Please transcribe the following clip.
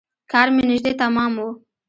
کار مې نژدې تمام و.